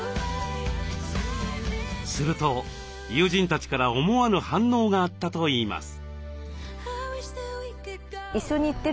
すると友人たちから思わぬ反応があったといいます。